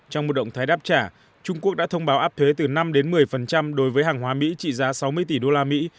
trong một động thái đáp trả trung quốc đã thông báo áp thuế từ năm một mươi đối với hàng hóa mỹ trị giá sáu mươi tỷ đô la mỹ